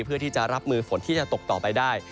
เพื่อที่จะรับมือฝนที่จะตกต่อไปได้